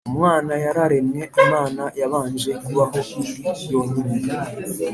Umwana yararemwe Imana yabanje kubaho iri yonyine